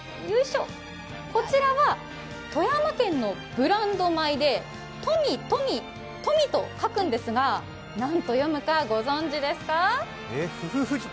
こちらは富山県のブランド米で、「富富富」と書くんですが、何と読むと分かりますか？